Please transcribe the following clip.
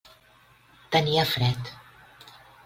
Tenia fred.